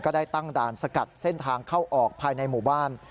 ได้ตั้งด่านสกัดเส้นทางเข้าออกภายในหมู่บ้าน